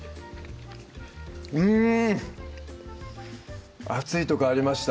うん熱いとこありました